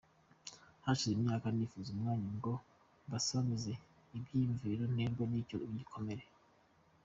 Hashize imyaka nifuza umwanya ngo mbasangize ibyiyumviro nterwa n’icyo gikomere.